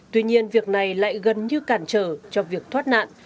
tuy nhiên việc này lại gần như cản trở cho việc thoát nạn